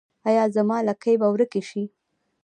ایا زما لکې به ورکې شي؟